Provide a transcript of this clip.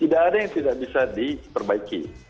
tidak ada yang tidak bisa diperbaiki